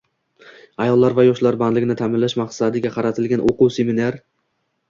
Ayollar va yoshlar bandligini ta’minlash maqsadiga qaratilgan o‘quv-seminarng